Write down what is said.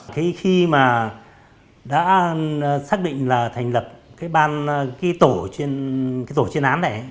khi mà đã xác định là thành lập cái tổ trên án này